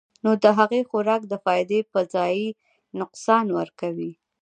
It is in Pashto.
نو د هغې خوراک د فائدې پۀ ځائے نقصان ورکوي -